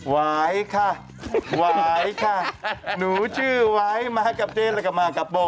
วายค่ะหวายค่ะหนูชื่อไว้มากับเจ๊แล้วก็มากับโบ